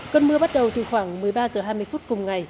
cơn mưa bắt đầu từ khoảng một mươi ba h hai mươi phút cùng ngày